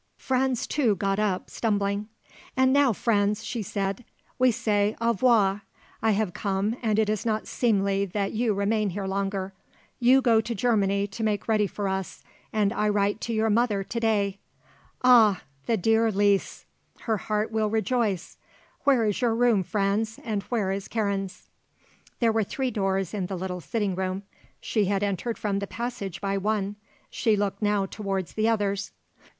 Franz, too, got up, stumbling. "And now, Franz," she said, "we say au revoir. I have come and it is not seemly that you remain here longer. You go to Germany to make ready for us and I write to your mother to day. Ah! the dear Lise! Her heart will rejoice! Where is your room, Franz, and where is Karen's?" There were three doors in the little sitting room. She had entered from the passage by one. She looked now towards the others.